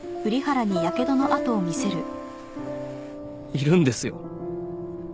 いるんですよ。